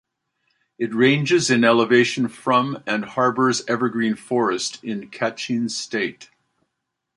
It ranges in elevation from and harbours evergreen forest in Kachin State.